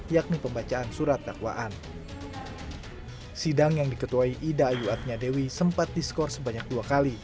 yakni pembacaan surat dakwaan sidang yang diketuai ida ayu atnya dewi sempat diskor sebanyak dua kali